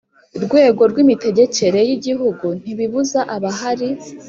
rwego rw imitegekere y Igihugu ntibibuza abahari